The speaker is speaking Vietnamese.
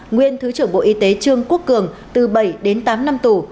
nguyên thứ trưởng bộ y tế trương quốc cường từ bảy đến tám năm tù